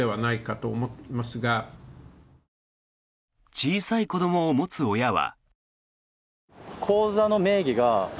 小さい子どもを持つ親は。